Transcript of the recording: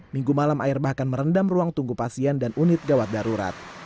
minggu malam air bahkan merendam ruang tunggu pasien dan unit gawat darurat